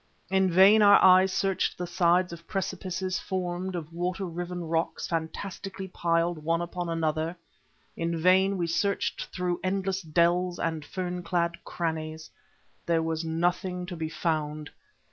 In vain our eyes searched the sides of precipices formed of water riven rocks fantastically piled one upon another; in vain we searched through endless dells and fern clad crannies. There was nothing to be found.